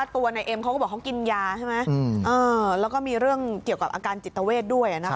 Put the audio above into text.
ตัวนายเอ็มเขาก็บอกเขากินยาใช่ไหมแล้วก็มีเรื่องเกี่ยวกับอาการจิตเวทด้วย